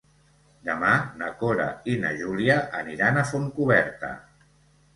Demà na Cora i na Júlia aniran a Fontcoberta.